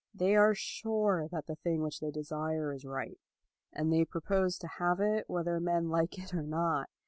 They are sure that the thing which they desire is right, and they propose to have it whether men like it or not.